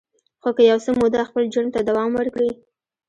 خو که یو څه موده خپل جرم ته دوام ورکړي